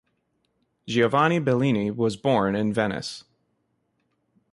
Giovanni Bellini was born in Venice.